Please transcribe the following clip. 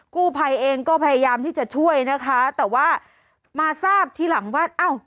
กู้ภัยเองก็พยายามที่จะช่วยนะคะแต่ว่ามาทราบทีหลังว่าอ้าว